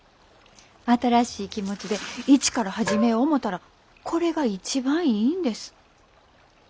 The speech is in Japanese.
新しい気持ちで一から始めよ思たらこれが一番いいんです。